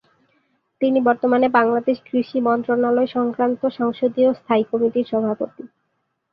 তিনি বর্তমানে বাংলাদেশ কৃষি মন্ত্রনালয় সংক্রান্ত সংসদীয় স্থায়ী কমিটির সভাপতি।